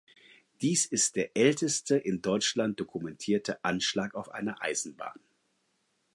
Dies ist der älteste in Deutschland dokumentierte Anschlag auf eine Eisenbahn.